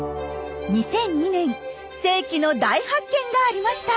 ２００２年世紀の大発見がありました！